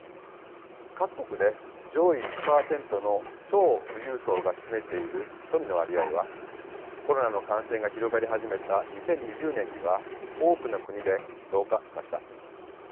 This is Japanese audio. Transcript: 各国で上位１％の超富裕層が占めている富の割合はコロナの感染が広がり始めた２０２０年には多くの国で増加しました。